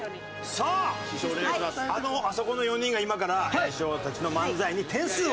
さああそこの４人が今から師匠たちの漫才に点数を。